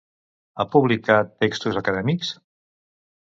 Ha publicat textos acadèmics?